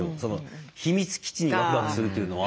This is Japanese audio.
秘密基地にワクワクするというのは。